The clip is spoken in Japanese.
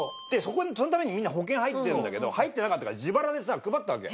そのためにみんな保険に入ってるんだけど入ってなかったから自腹でさ配ったわけ。